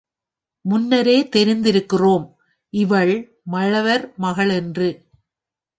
முன்னரே தெரிந்திருக்கிறோம், இவள் மழவர் மகள் என்று.